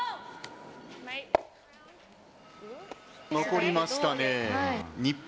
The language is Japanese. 残りましたね。